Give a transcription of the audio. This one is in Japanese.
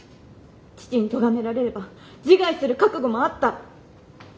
父にとがめられれば自害する覚悟もあった。